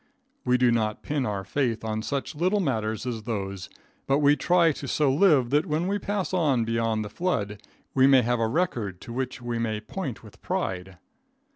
We do not pin our faith on such little matters as those, but we try to so live that when we pass on beyond the flood we may have a record to which we may point with pride.